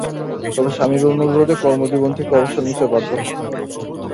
তবে, স্বামীর অনুরোধে কর্মজীবন থেকে অবসর নিতে বাধ্য হন।